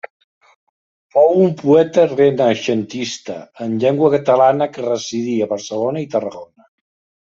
Fou un poeta renaixentista en llengua catalana que residí a Barcelona i Tarragona.